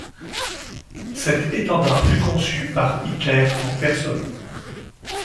Cet étendard fut conçu par Hitler en personne.